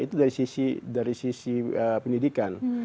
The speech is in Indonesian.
itu dari sisi pendidikan